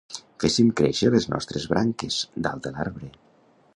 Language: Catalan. Féssim créixer les nostres branques, dalt de l'arbre.